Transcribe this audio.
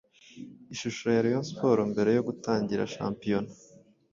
Ishusho ya Rayon Sports mbere yo gutangira shampiyona